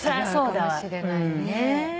違うかもしれないね。